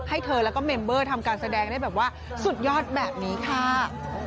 ให้เธอแล้วก็เมมเบอร์ทำการแสดงได้แบบว่าสุดยอดแบบนี้ค่ะ